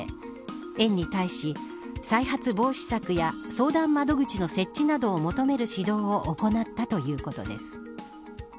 園に対し、再発防止策や相談窓口の設置などを求める指導を行ったということです。